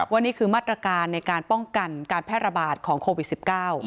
นี่คือมาตรการในการป้องกันการแพร่ระบาดของโควิด๑๙